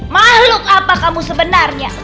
makhluk apa kamu sebenarnya